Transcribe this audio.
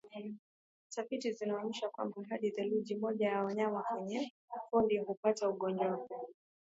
Tafiti zinaonyesha kwamba hadi theluthi moja ya wanyama kwenye kundi hupata ugonjwa huu